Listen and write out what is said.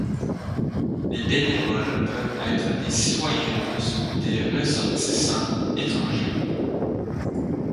Les bénévoles peuvent être des citoyens russes ou des ressortissants étrangers.